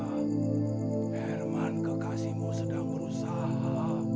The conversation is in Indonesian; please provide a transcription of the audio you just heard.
herman kekasihmu sedang berusaha